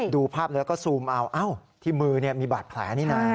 ดูภาพแล้วก็ซูมเอาที่มือมีบาดแผลนี่นะ